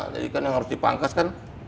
jadi kan yang harus dipangkas kan